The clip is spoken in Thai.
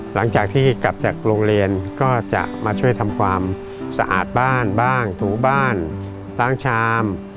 หลังจากที่กลับจากโรงเรียนก็จะมาช่วยทำความสะอาดบ้านบ้างถูบ้านล้างชาม